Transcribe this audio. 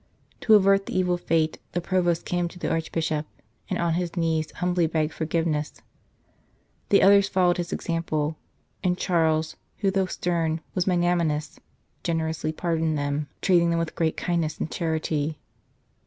To avert the evil fate, the Provost came to the Archbishop, and on his knees humbly begged forgiveness ; the others followed his example, and Charles, who though stern was magnanimous, generously par 80 The Commencement of the Struggle doned them, treating them with great kindness and charity.